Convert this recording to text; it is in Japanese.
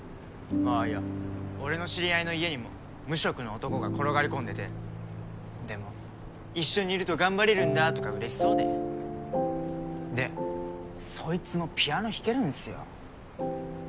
ああいや俺の知り合いの家にも無職の男が転がり込んでてでも一緒にいると頑張れるんだーとか嬉しそうででそいつもピアノ弾けるんすよ